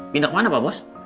pindah kemana pak bos